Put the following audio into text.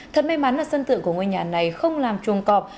thật may mắn là sân tượng của ngôi nhà này không làm chuồng cọp